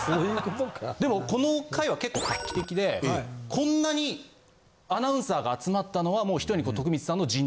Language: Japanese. でもこの会は結構画期的でこんなにアナウンサーが集まったのはひとえに。